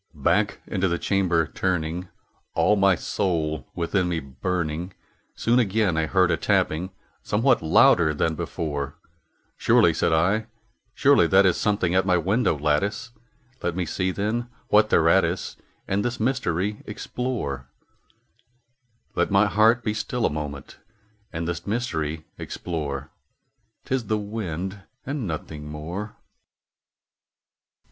Back into the chamber turning, all my soul within me burning, Soon I heard again a tapping, somewhat louder than before. "Surely," said I, "surely that is something at my window lattice; Let me see, then, what thereat is, and this mystery explore Let my heart be still a moment, and this mystery explore; 'Tis the wind and nothing more."